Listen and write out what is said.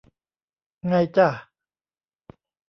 ไงจ้ะ